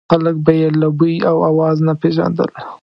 خلک به یې له بوی او اواز نه پېژندل.